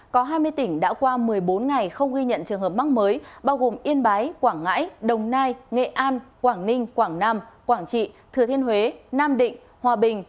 có hai mươi tỉnh đã qua một mươi bốn ngày không ghi nhận trường hợp mắc mới bao gồm yên bái quảng ngãi đồng nai nghệ an quảng ninh quảng nam quảng trị thừa thiên huế nam định hòa bình